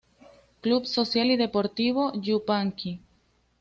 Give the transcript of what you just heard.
Club Social y Deportivo Yupanqui